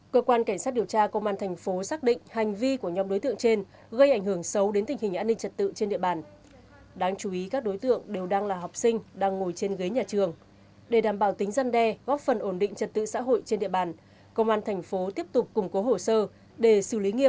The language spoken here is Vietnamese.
cơ quan cảnh sát điều tra hình sự đã triển khai một mươi tổ công tác ở nhiều tỉnh thành trên cả nước triệu tập và bắt giả phôi bằng lái xe đã làm giả phôi bằng lái xe đã làm giả phôi bằng lái xe đã làm giả phôi bằng lái xe đã làm giả